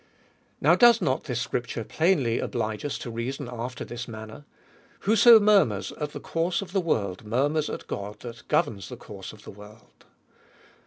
Now does not this scripture plainly oblige us to reason after this manner : Whoso murmurs at the course of the world, murmurs at God that governs the course of the world.